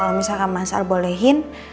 kalau misalkan mas al bolehhin